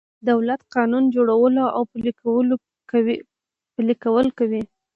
دولت قانون جوړول او پلي کول کوي.